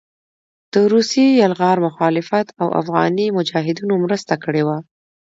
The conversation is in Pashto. د روسي يلغار مخالفت او افغاني مجاهدينو مرسته کړې وه